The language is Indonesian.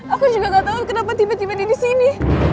aku juga gak tau kenapa tiba tiba dia disini